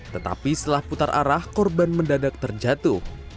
tetapi setelah putar arah korban mendadak terjatuh